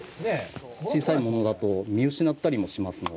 小さいものだと、見失ったりもしますので。